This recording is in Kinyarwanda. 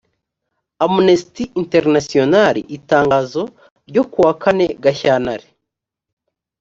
amnesty international itangazo ryo ku wa kane gashyantare